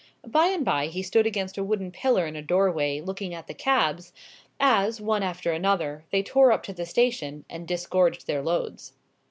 By and by he stood against a wooden pillar in a doorway, looking at the cabs, as, one after another, they tore up to the station, and disgorged their loads.